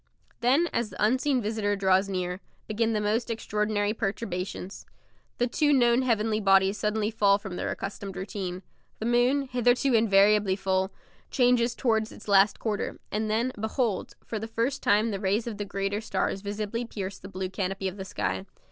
Then, as the unseen visitor draws near, begin the most extraordinary perturbations. The two known heavenly bodies suddenly fail from their accustomed routine. The moon, hitherto invariably full, changes towards its last quarter and then, behold! for the first time the rays of the greater stars visibly pierce the blue canopy of the sky.